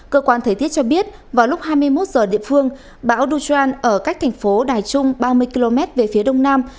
cơ quan thời tiết cho biết vào lúc hai mươi một giờ địa phương bão duchran ở cách thành phố đài trung ba mươi km về phía đông nam